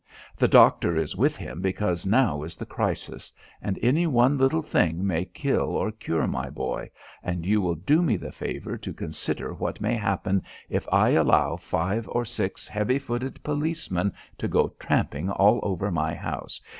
The doctor is with him because now is the crisis, and any one little thing may kill or cure my boy, and you will do me the favour to consider what may happen if I allow five or six heavy footed policemen to go tramping all over my house.